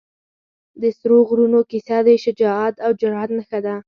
د سرو غرونو کیسه د شجاعت او جرئت نښه ده.